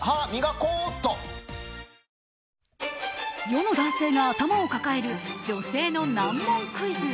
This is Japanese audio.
世の男性が頭を抱える女性の難問クイズ。